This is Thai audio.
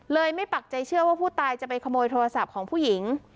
ไม่ปักใจเชื่อว่าผู้ตายจะไปขโมยโทรศัพท์ของผู้หญิง